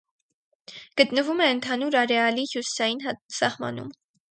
Գտնվում է ընդհանուր արեալի հյուսիսային սահմանում։